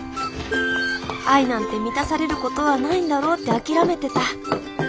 愛なんて満たされることはないんだろうって諦めてた。